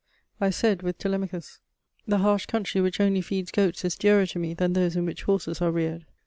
I said with Telemachus: "The harsh country which only feeds goats is dearer to me than those in which horses are reared."